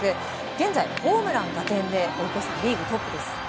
現在、ホームラン、打点で大越さん、リーグトップです。